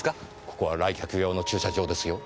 ここは来客用の駐車場ですよ？